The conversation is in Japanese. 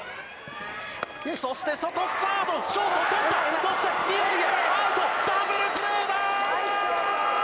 そしてスタート、サード、ショート、捕った、そして２塁へ、アウト、ダブルプレーだ！